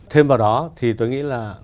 thêm vào đó thì tôi nghĩ là